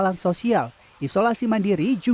itu tidak bisa seperti itu